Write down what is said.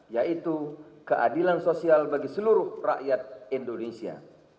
yaitu keadilan sosial bagi seluruh rakyat indonesia